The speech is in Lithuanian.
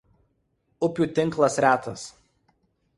Upių tinklas retas.